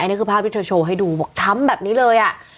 นี่คือภาพที่เธอโชว์ให้ดูบอกช้ำแบบนี้เลยอ่ะ